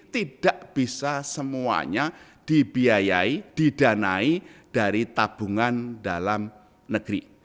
tidak bisa semuanya dibiayai didanai dari tabungan dalam negeri